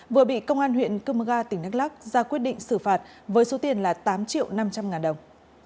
vừa bị công an huyện cư mơ ga tỉnh đắk lắc ra quyết định xử phạt với số tiền là tám triệu năm trăm linh ngàn đồng